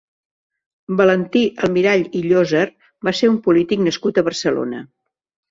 Valentí Almirall i Llozer va ser un polític nascut a Barcelona.